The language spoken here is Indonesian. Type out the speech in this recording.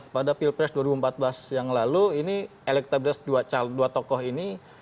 pada pilpres dua ribu empat belas yang lalu ini elektabilitas dua tokoh ini